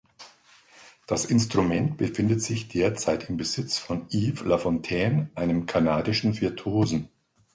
Das Instrument befindet sich derzeit im Besitz von Yves Lafontaine, einem kanadischen Virtuosen.